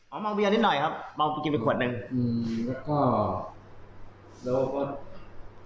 เอาเมียนิดหน่อยครับเอากินเป็นขวดหนึ่งอืมแล้วก็